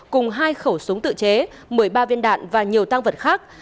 cùng hai khẩu súng tự chế một mươi ba viên đạn và nhiều tăng vật khác